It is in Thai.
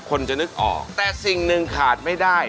คนจะนึกออกแต่สิ่งหนึ่งขาดไม่ได้